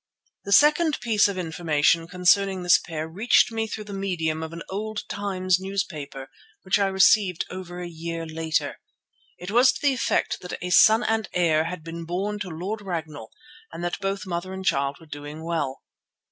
The second piece of information concerning this pair reached me through the medium of an old Times newspaper which I received over a year later. It was to the effect that a son and heir had been born to Lord Ragnall and that both mother and child were doing well.